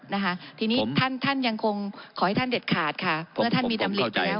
นะคะทีนี้ท่านยังคงขอให้ท่านเด็ดขาดค่ะเพราะท่านมีดำลิกอยู่แล้ว